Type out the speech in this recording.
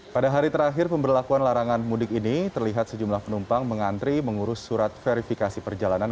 pada hari terakhir pemberlakuan larangan mudik ini terlihat sejumlah penumpang mengantri mengurus surat verifikasi perjalanan